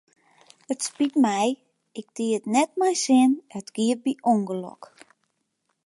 It spyt my, ik die it net mei sin, it gie by ûngelok.